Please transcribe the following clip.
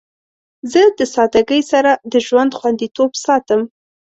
زه د سادگی سره د ژوند خوندیتوب ساتم.